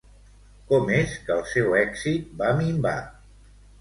Com és que el seu èxit va minvar?